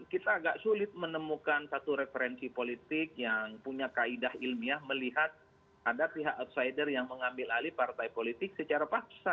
kita agak sulit menemukan satu referensi politik yang punya kaidah ilmiah melihat ada pihak obsider yang mengambil alih partai politik secara paksa